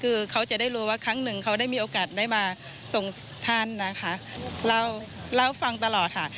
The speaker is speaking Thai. คือเขาจะได้รู้ว่าครั้งหนึ่งเขาได้มีโอกาสได้มาส่งท่านนะคะเล่าเล่าฟังตลอดค่ะ